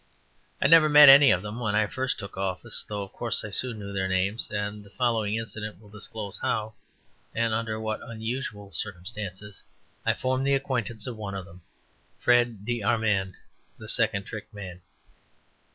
I had never met any of them when I first took the office, though of course I soon knew their names, and the following incident will disclose how and under what unusual circumstances I formed the acquaintance of one of them, Fred De Armand, the second trick man.